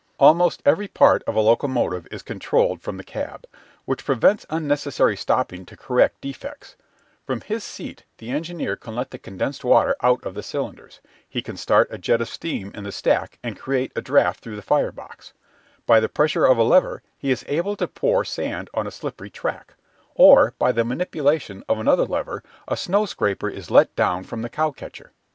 Almost every part of a locomotive is controlled from the cab, which prevents unnecessary stopping to correct defects; from his seat the engineer can let the condensed water out of the cylinders; he can start a jet of steam in the stack and create a draft through the fire box; by the pressure of a lever he is able to pour sand on a slippery track, or by the manipulation of another lever a snow scraper is let down from the cowcatcher.